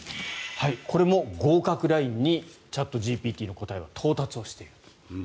これも合格ラインにチャットＧＰＴの答えは到達をしている。